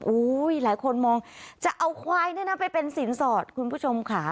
โอ้เหลือคนมองจะเอาควายด้วยน่ะไปเป็นศีลสอดคุณผู้ชมค่ะ